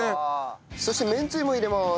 そしてめんつゆも入れます。